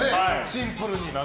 シンプルに。